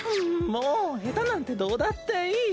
もうヘタなんてどうだっていい！